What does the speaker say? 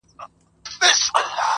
بدرګه را سره ستوري وړمهیاره,